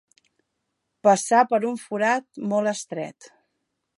Passar per un forat molt estret.